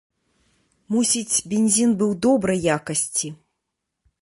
Мусіць, бензін быў добрай якасці.